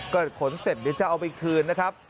ก็ขนเสร็จเดี๋ยวจะเอาไปคืนนะครับ